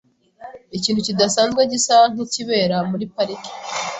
Ikintu kidasanzwe gisa nkikibera muri parike .